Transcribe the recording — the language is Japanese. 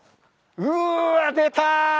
うわ出た！